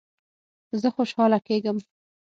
زه خوشحاله کیږم